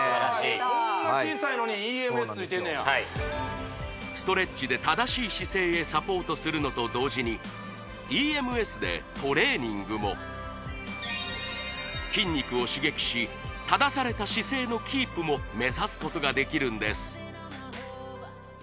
こんな小さいのにＥＭＳついてんねやストレッチで正しい姿勢へサポートするのと同時にＥＭＳでトレーニングも筋肉を刺激し正された姿勢のキープも目指すことができるんですそうですね